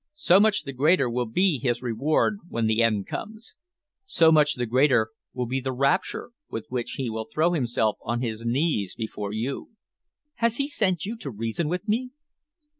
So much the greater will be his reward when the end comes. So much the greater will be the rapture with which he will throw himself on his knees before you." "Has he sent you to reason with me?"